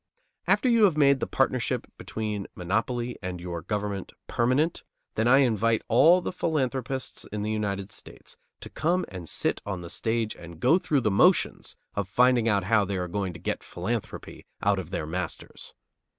After you have made the partnership between monopoly and your government permanent, then I invite all the philanthropists in the United States to come and sit on the stage and go through the motions of finding out how they are going to get philanthropy out of their masters.